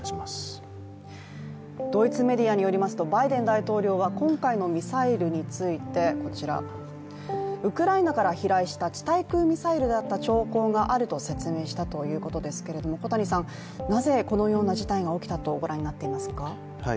ドイツメディアによりますとバイデン大統領は今回のミサイルによりますとウクライナから飛来した地対空ミサイルだった兆候があると説明しましたが、小谷さん、このような事態が起きたとご覧になっていますか？